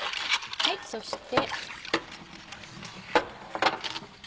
そして。